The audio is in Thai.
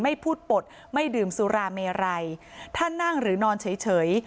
ไม่พูดปลดไม่ดื่มสุราเมไรถ้านั่งหรือนอนเฉย